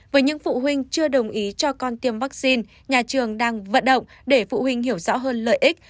với những phụ huynh chưa đồng ý cho con tiêm vaccine nhà trường đang vận động để phụ huynh hiểu rõ hơn lợi ích